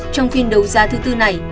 trong phiên đấu giá thứ bốn này